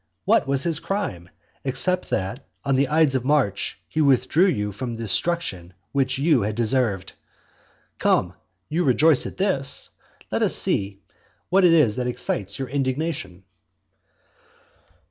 What was his crime, except that on the ides of March he withdrew you from the destruction which you had deserved? Come; you rejoice at this; let us see what it is that excites your indignation.